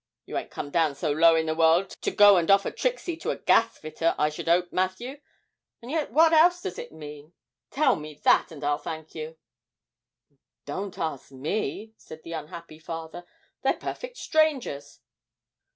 you ain't come down so low in the world to go and offer Trixie to a gas fitter, I should 'ope, Matthew! and yet what else does it mean tell me that, and I'll thank you.' 'Don't ask me,' said the unhappy father; 'they're perfect strangers.'